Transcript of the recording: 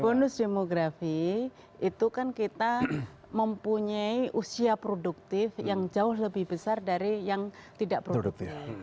bonus demografi itu kan kita mempunyai usia produktif yang jauh lebih besar dari yang tidak produktif